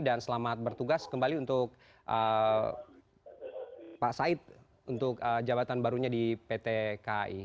dan selamat bertugas kembali untuk pak said untuk jabatan barunya di pt kai